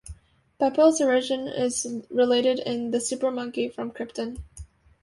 Beppo's origin is related in The Super-Monkey from Krypton!